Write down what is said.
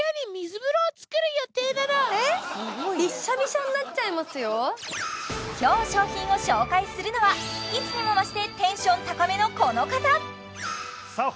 すごいね今日商品を紹介するのはいつにも増してテンション高めのこの方さあ